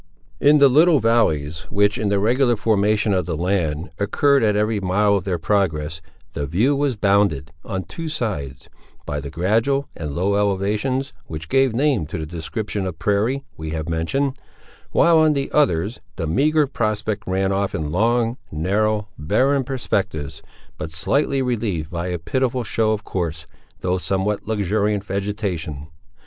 In the little valleys, which, in the regular formation of the land, occurred at every mile of their progress, the view was bounded, on two of the sides, by the gradual and low elevations, which gave name to the description of prairie we have mentioned; while on the others, the meagre prospect ran off in long, narrow, barren perspectives, but slightly relieved by a pitiful show of coarse, though somewhat luxuriant vegetation.